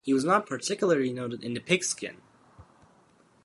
He was not particularly noted in the pigskin.